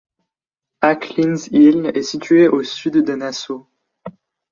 Acklins îles est situé à au sud de Nassau.